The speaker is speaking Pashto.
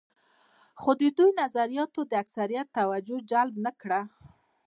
خو د دوی نظریاتو د اکثریت توجه جلب نه کړه.